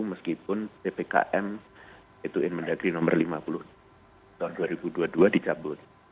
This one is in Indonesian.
meskipun ppkm itu in mendagri nomor lima puluh tahun dua ribu dua puluh dua dicabut